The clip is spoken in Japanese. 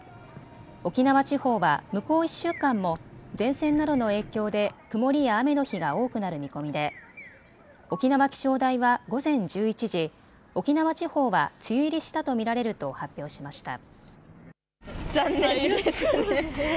沖縄地方は向こう１週間も前線などの影響で曇りや雨の日が多くなる見込みで沖縄気象台は午前１１時、沖縄地方は梅雨入りしたと見られると発表しました。